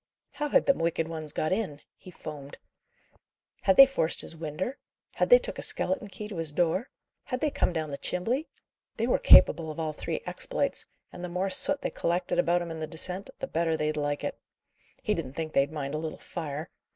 "How had them wicked ones got in?" he foamed. "Had they forced his winder? had they took a skeleton key to his door? had they come down the chimbley? They were capable of all three exploits; and the more soot they collected about 'em in the descent, the better they'd like it. He didn't think they'd mind a little fire.